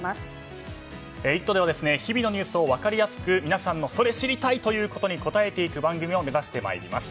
「イット！」では日々のニュースを分かりやすく皆さんのそれ知りたい！ということに答えていく番組を目指してまいります。